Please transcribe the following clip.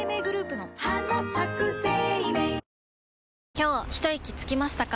今日ひといきつきましたか？